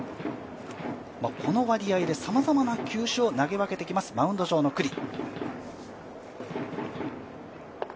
この割合で、さまざまな球種を投げ分けてきます、マウンド上の九里。